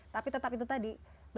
tapi tetap itu tadi